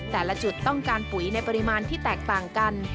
แต่ละจุดต้องการปุ๋ยในปริมาณที่แตกต่างกัน